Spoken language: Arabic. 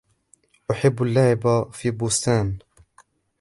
أحب اللعب في بستان.